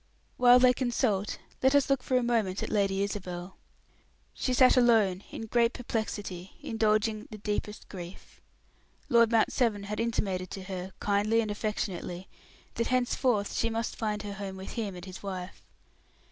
While they consult, let us look for a moment at Lady Isabel. She sat alone, in great perplexity, indulging the deepest grief. Lord Mount Severn had intimated to her, kindly and affectionately, that henceforth she must find her home with him and his wife.